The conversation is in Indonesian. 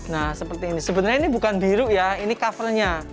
nah seperti ini sebenarnya ini bukan biru ya ini covernya